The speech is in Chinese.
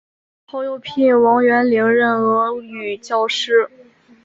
后又聘王元龄任俄语教师。